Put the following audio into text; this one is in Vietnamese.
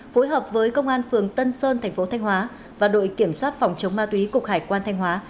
phối hợp với công an phường tân sơn thành phố thanh hóa và đội kiểm soát phòng chống ma túy cục hải quan thanh hóa